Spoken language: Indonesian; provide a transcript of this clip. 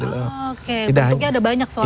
tentunya ada banyak soalnya ya pak kultas